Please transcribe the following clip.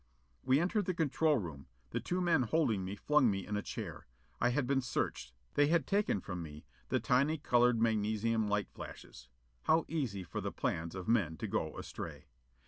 We entered the control room. The two men holding me flung me in a chair. I had been searched. They had taken from me the tiny, colored magnesium light flashes. How easy for the plans of men to go astray!